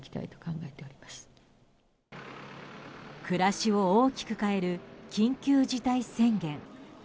暮らしを大きく変える緊急事態宣言。